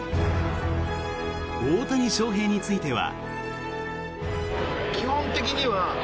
大谷翔平については。